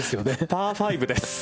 パー５です。